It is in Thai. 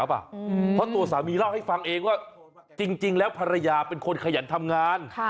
เพราะตัวสามีเล่าให้ฟังเองว่าจริงแล้วภรรยาเป็นคนขยันทำงาน